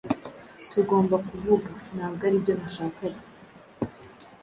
Tugomba kuvuga Ntabwo aribyo nashakaga